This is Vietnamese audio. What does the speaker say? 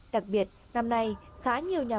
đặc biệt năm nay khá nhiều dịch vụ